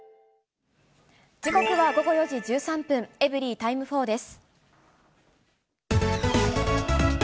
時刻は午後４時１３分、エブリィタイム４です。